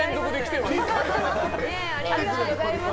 ありがとうございます。